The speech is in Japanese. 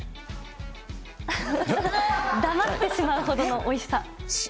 黙ってしまうほどのおいしさ。